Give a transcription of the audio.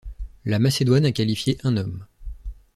La Macédoine a qualifié un homme.